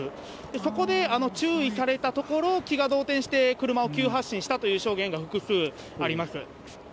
そこで注意されたところ、気が動転して、車を急発進したという証言が複数あります。